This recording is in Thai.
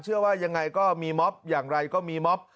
เชื่อว่ายังไงก็มีม็อบอย่างไรก็มีม็อบ